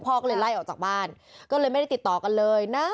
พ่อก็เลยไล่ออกจากบ้านก็เลยไม่ได้ติดต่อกันเลยนะ